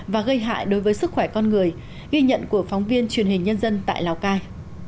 và gây hại đối với sức khỏe con người ghi nhận của phóng viên truyền hình nhân dân tại lào cai